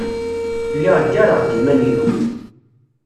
Lliɣ ggareɣ-d iman-inu.